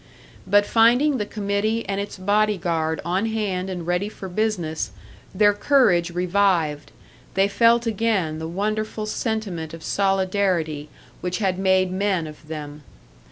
But finding the committee and its body guard on hand and ready for business, their courage revived, they felt again the wonderful sentiment of solidarity which had made men of them.